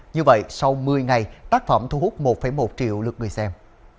như vậy sau một mươi ngày tác phẩm thu hút một một triệu lượt người xem